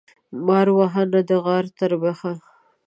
مار وهه ، نه د غار تر بيخه.